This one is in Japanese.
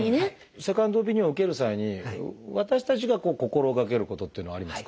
セカンドオピニオンを受ける際に私たちが心がけることっていうのはありますか？